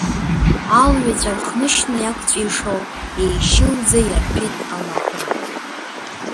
Алҩаҵә архнышьна иақәҵәишо, еишьылӡа иарҭәит алаӷәра.